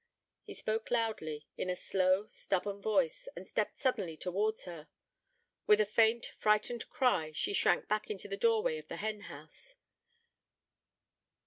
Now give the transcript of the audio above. He spoke loudly, in a slow, stubborn voice, and stepped suddenly towards her. With a faint, frightened cry she shrank back into the doorway of the hen house.